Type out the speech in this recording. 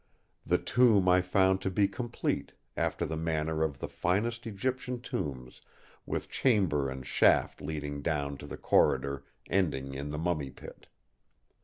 "The tomb I found to be complete, after the manner of the finest Egyptian tombs, with chamber and shaft leading down to the corridor, ending in the Mummy Pit.